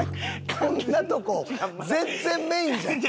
こんなとこ全然メインじゃない。